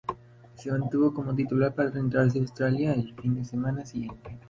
Se mantuvo como titular para enfrentarse a Australia el fin de semana siguiente.